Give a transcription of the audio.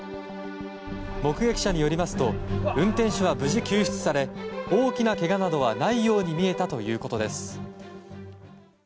目撃者によりますと運転手は無事救出され大きなけがなどはないように見えたということです。